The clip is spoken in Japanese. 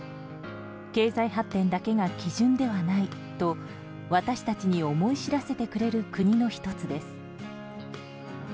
経済発展だけが基準ではないと私たちに思い知らせてくれる国の一つです。